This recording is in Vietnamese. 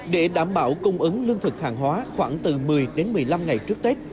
để đảm bảo cung ứng lương thực hàng hóa khoảng từ một mươi đến một mươi năm ngày trước tết